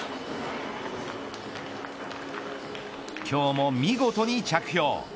今日も見事に着氷。